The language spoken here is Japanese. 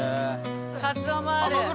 カツオもある。